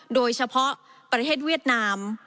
โดยเฉพาะประเทศเวียดนาม